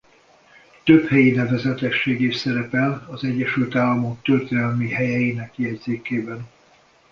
Több helyi nevezetesség is szerepel az Egyesült Államok Történelmi Helyeinek Jegyzékében.